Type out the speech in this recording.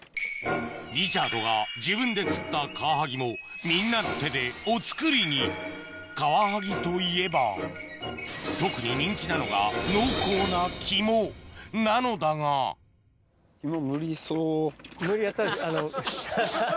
リチャードが自分で釣ったカワハギもみんなの手でお造りにカワハギといえば特になのだが無理やったらあのハハっ。